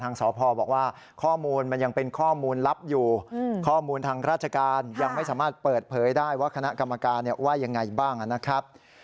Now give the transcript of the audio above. สพบอกว่าข้อมูลมันยังเป็นข้อมูลลับอยู่ข้อมูลทางราชการยังไม่สามารถเปิดเผยได้ว่าคณะกรรมการว่ายังไงบ้างนะครับ